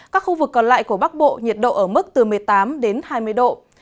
các khu vực còn lại của bắc bộ nhiệt độ ở mức từ một mươi tám đến hai mươi độ